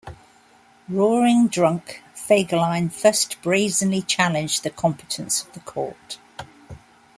Roaring drunk..., Fegelein first brazenly challenged the competence of the court.